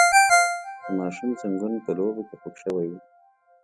د ماشوم زنګون په لوبو کې خوږ شوی و.